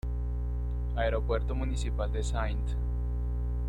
Aeropuerto Municipal de St.